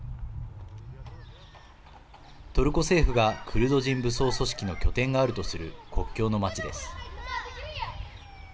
トルコ政府がクルド人武装組織の拠点があるとする国境の町です。